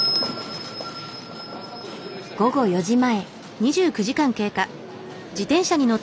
午後４時前。